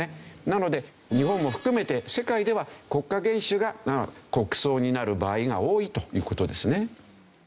なので日本も含めて世界では国家元首が国葬になる場合が多いという事ですね。